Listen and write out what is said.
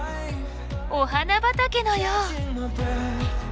お花畑のよう！